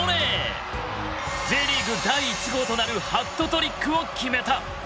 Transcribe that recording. Ｊリーグ第１号となるハットトリックを決めた！